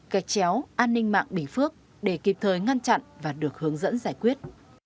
gạch chéo an ninh mạng bình phước để kịp thời ngăn chặn và được hướng dẫn giải quyết